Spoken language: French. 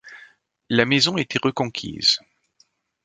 La maison était reconquise.